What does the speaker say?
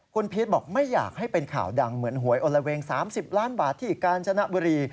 คุณพีชบอกไม่อยากให้เป็นข่าวดังเหมือนหวยอลละเวง๓๐ล้านบาทที่กาญจนบุรี